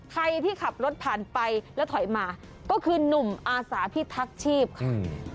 ใครที่ขับรถผ่านไปแล้วถอยมาก็คือหนุ่มอาสาพิทักษ์ชีพค่ะ